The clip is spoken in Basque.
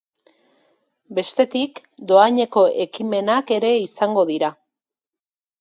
Bestetik, dohaineko ekimenak ere izango dira.